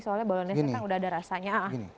soalnya bolognese kan udah ada rasanya